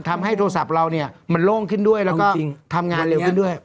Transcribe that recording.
โทรศัพท์เราเนี่ยมันโล่งขึ้นด้วยแล้วก็ทำงานเร็วขึ้นด้วย